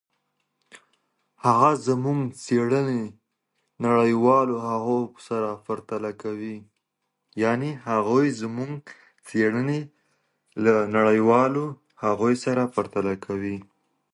هغه زموږ څېړني له نړیوالو هغو سره پرتله کوي.